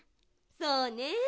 そうね。